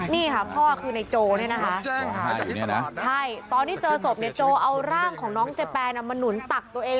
นี่ค่ะพ่อคือในโจ๊ตอนที่เจอศพโจ๊เอาร่างของน้องเจแปนมาหนุนตักตัวเอง